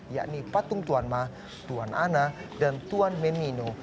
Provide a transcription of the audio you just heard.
yakni patung tuan ma tuan ana dan tuan memino